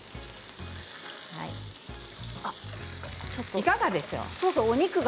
いかがでしょうか。